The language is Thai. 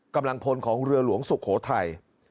กำลังพลของเรือหลวงสุโขทัย